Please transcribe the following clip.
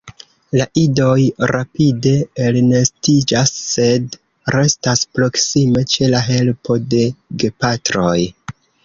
La idoj rapide elnestiĝas sed restas proksime ĉe la helpo de gepatroj.